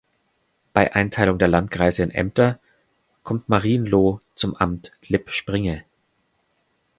Bei Einteilung der Landkreise in Ämter kommt Marienloh zum Amt Lippspringe.